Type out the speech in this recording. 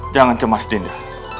jangan cemas dinda